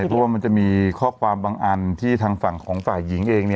เพราะว่ามันจะมีข้อความบางอันที่ทางฝั่งของฝ่ายหญิงเอง